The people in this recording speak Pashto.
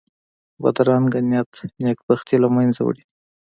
بدرنګه نیت نېک بختي له منځه وړي